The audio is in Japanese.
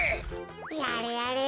やれやれ